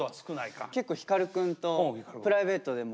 結構光くんとプライベートでも。